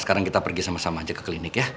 sekarang kita pergi sama sama aja ke klinik ya